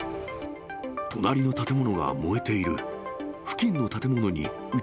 隣の建物が燃えている。